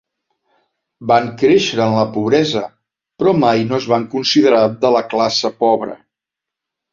Van créixer en la pobresa, però mai no es van considerar de la classe pobra.